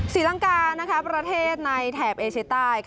ศรีลังกาประเทศในแถบเอเชียใต้